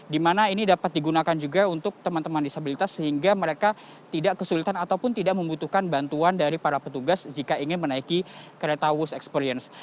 di mana ini dapat digunakan juga untuk teman teman disabilitas sehingga mereka tidak kesulitan ataupun tidak membutuhkan bantuan dari para petugas jika ingin menaiki kereta wood experience